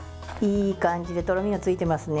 いい感じでとろみがついていますね。